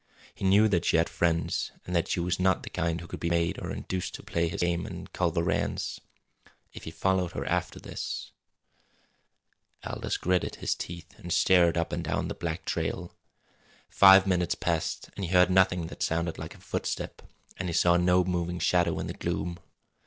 He knew that she had friends, and that she was not of the kind who could be made or induced to play his game and Culver Rann's. If he followed her after this Aldous gritted his teeth and stared up and down the black trail. Five minutes passed and he heard nothing that sounded like a footstep, and he saw no moving shadow in the gloom.